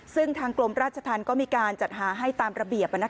ซึ่งทางกรมราชธรรมก็มีการจัดหาให้ตามระเบียบ